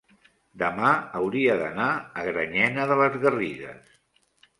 demà hauria d'anar a Granyena de les Garrigues.